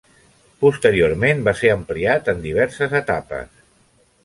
Posteriorment va ser ampliat en diverses etapes.